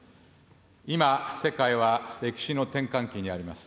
今、世界は歴史の転換期にあります。